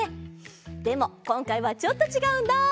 でもこんかいはちょっとちがうんだ。